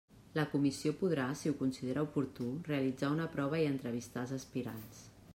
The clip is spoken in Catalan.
La comissió podrà, si ho considera oportú, realitzar una prova i entrevistar els aspirants.